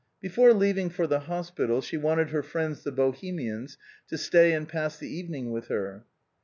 Before leaving for the hospital, she wanted her friends the Bohemians to stay and pass the evening with her.